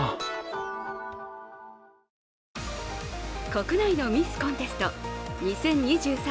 国内のミスコンテスト２０２３